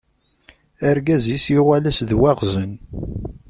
Argaz-is yuɣal-as d waɣzen.